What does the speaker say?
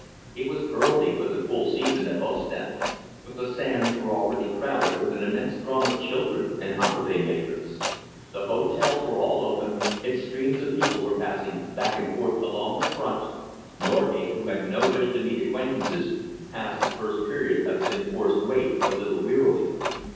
It was early for the full season at Ostend, but the sands were already crowded with an immense throng of children and holiday makers. The hotels were all open, and streams of people were passing back and forth along the front, Norgate, who had no wish to meet acquaintances, passed the first period of his enforced wait a little wearily.